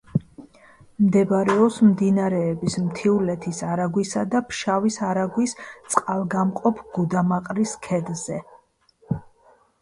მდებარეობს მდინარეების მთიულეთის არაგვისა და ფშავის არაგვის წყალგამყოფ გუდამაყრის ქედზე.